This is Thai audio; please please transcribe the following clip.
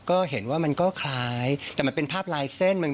ก็เห็นว่ามันก็คล้ายแต่มันเป็นภาพลายเส้น